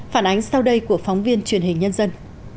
phản ánh sau đây của phóng viên truyền hình nhân dân